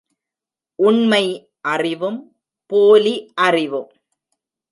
உண்மை அறிவும் போலி அறிவும்...